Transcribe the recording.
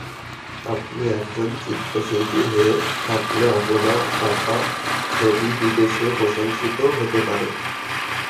আপনি একজন চিত্রশিল্পী হয়ে থাকলে আপনার আঁকা ছবি বিদেশেও প্রশংসিত হতে পারে।